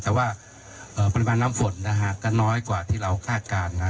แต่ว่าปริมาณน้ำฝนนะฮะก็น้อยกว่าที่เราคาดการณ์นะ